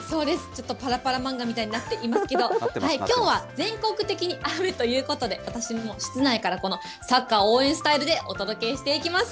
ちょっとぱらぱら漫画みたいになってますけど、きょうは全国的に雨ということで、私も室内から、このサッカー応援スタイルでお届けしていきます。